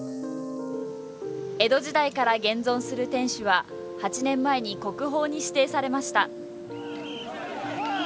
江戸時代から現存する天守は８年前に国宝に指定されました。